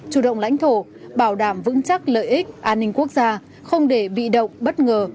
chủ động lãnh thổ bảo đảm vững chắc lợi ích an ninh quốc gia không để bị động bất ngờ